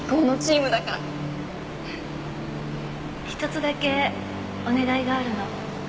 １つだけお願いがあるの。